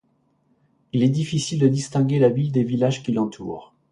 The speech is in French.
Il est difficile de distinguer la ville des villages qui l'entourent.